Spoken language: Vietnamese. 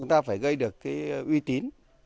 chúng ta phải gây được cái uy tín